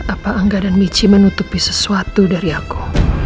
apa angga dan michi menutupi sesuatu dari aku